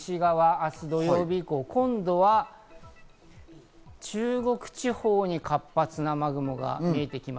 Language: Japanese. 明日土曜日以降、今度は中国地方に活発な雨雲が見えてきます。